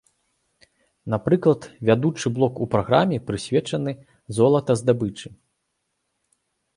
Напрыклад, вядучы блок у праграме прысвечаны золатаздабычы.